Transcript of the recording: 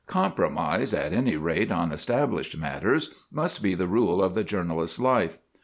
Compromise, at any rate on established matters, must be the rule of the journalist's life.